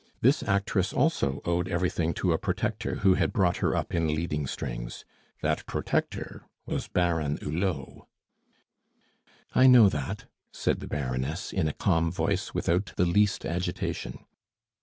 This actress also owed everything to a protector who had brought her up in leading strings. That protector was Baron Hulot." "I know that," said the Baroness, in a calm voice without the least agitation.